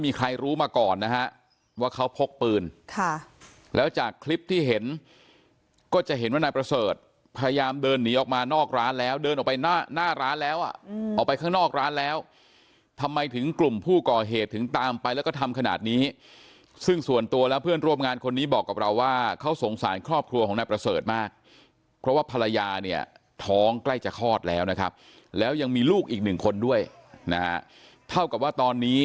มีใครรู้มาก่อนนะฮะว่าเขาพกปืนค่ะแล้วจากคลิปที่เห็นก็จะเห็นว่านายประเสริฐพยายามเดินหนีออกมานอกร้านแล้วเดินออกไปหน้าร้านแล้วอ่ะออกไปข้างนอกร้านแล้วทำไมถึงกลุ่มผู้ก่อเหตุถึงตามไปแล้วก็ทำขนาดนี้ซึ่งส่วนตัวแล้วเพื่อนร่วมงานคนนี้บอกกับเราว่าเขาสงสารครอบครัวของนายประเสริฐมากเพราะว่าภรรยาเนี่ยท้